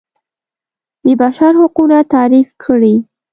د بشر حقونه تعریف کړي.